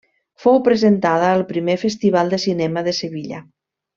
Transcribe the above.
Fou presentada al primer Festival de Cinema de Sevilla.